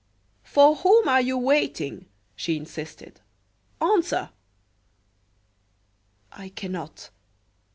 "For whom are you waiting?" she insisted. "Answer!" "I cannot!"